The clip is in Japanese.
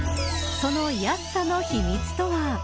その安さの秘密とは。